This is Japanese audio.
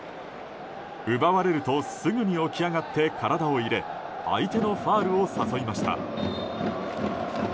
奪われるとすぐに起き上がって体を入れ相手のファウルを誘いました。